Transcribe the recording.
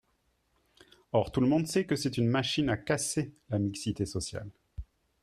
Or tout le monde sait que c’est une machine à casser la mixité sociale.